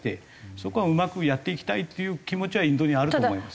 そこはうまくやっていきたいっていう気持ちはインドにあると思います。